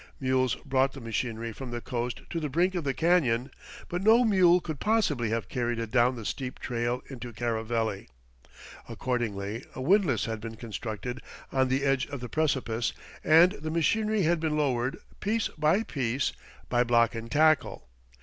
Mules brought the machinery from the coast to the brink of the canyon, but no mule could possibly have carried it down the steep trail into Caraveli. Accordingly, a windlass had been constructed on the edge of the precipice and the machinery had been lowered, piece by piece, by block and tackle.